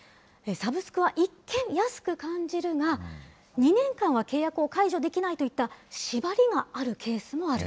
サブスクは一見安く感じるが、２年間は契約を解除できないといった縛りがあるケースもある。